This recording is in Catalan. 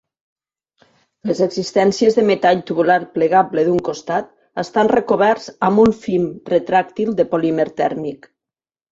Les existències de metall tubular plegable d'un costat estan recoberts amb un film retràctil de polímer tèrmic.